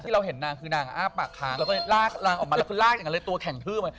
เราสอบเลยว่าอย่างไร